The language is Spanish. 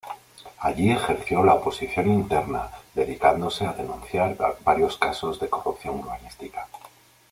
Allí ejerció la oposición interna, dedicándose a denunciar varios casos de corrupción urbanística.